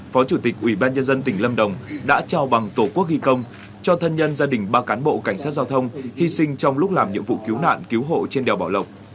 bộ trưởng tô lâm đã trao bằng tổ quốc ghi công cho thân nhân gia đình ba cán bộ cảnh sát giao thông hy sinh trong lúc làm nhiệm vụ cứu nạn cứu hộ trên đèo bảo lộc